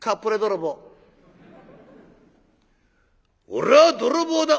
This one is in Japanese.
「俺は泥棒だ！」。